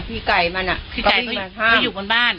แล้วก็วิ่งลงมา